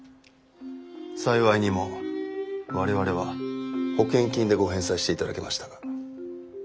幸いにも我々は保険金でご返済して頂けましたが。